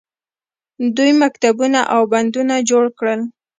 دوی مکتبونه او بندونه جوړ کړل.